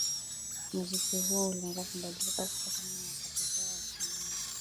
Muziki huo ulianza kubadilika kutokana na wakati huo wa ushindani